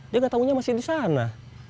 dia gak taunya masih disana